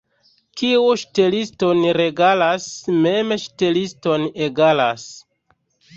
Kiu ŝteliston regalas, mem ŝteliston egalas.